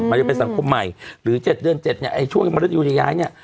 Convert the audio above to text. มันจะเป็นสังคมใหม่หรือ๗เดือน๗นี่ช่วงมนุษยุย้ายนี่